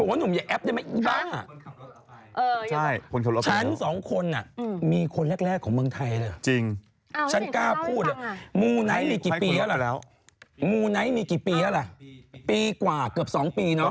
อย่ามาพูดเลยเพราะว่าหนูอย่าแอบได้ไหมอี๊บ้างอ่ะฉันสองคนน่ะมีคนแรกของเมืองไทยเลยอ่ะฉันกล้าพูดมูไนท์มีกี่ปีอ่ะล่ะปีกว่าเกือบสองปีเนอะ